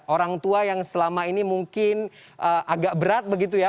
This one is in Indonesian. orang tua yang selama ini mungkin agak berat begitu ya